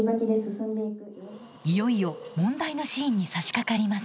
いよいよ問題のシーンにさしかかります。